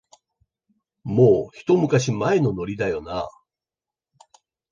もう、ひと昔前のノリだよなあ